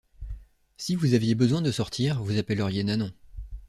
Si vous aviez besoin de sortir, vous appelleriez Nanon.